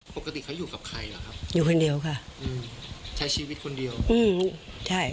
ปกติเขาอยู่กับใครเหรอครับอยู่คนเดียวค่ะอืมใช้ชีวิตคนเดียวอืมใช่